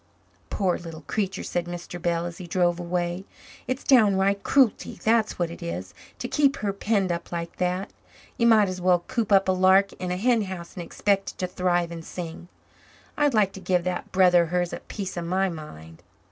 "Poor little creature," said Mr. Bell, as he drove away. "It's downright cruelty, that's what it is, to keep her penned up like that. You might as well coop up a lark in a hen house and expect it to thrive and sing. I'd like to give that brother of hers a piece of my mind."